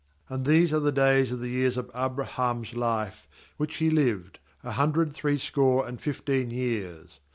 7And these are the days of the years of Abraham's life which he lived, a hundred threescore and fifteen years.